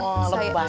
oh lebih baik